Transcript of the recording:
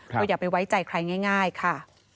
ก็อย่าไปไว้ใจใครง่ายค่ะ